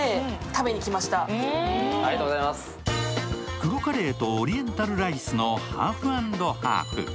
黒カレーとオリエンタルライスのハーフ＆ハーフ。